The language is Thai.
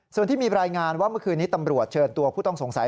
ส่วนที่มีรายงานว่าเมื่อคืนนี้ตำรวจเชิญตัวผู้ต้องสงสัย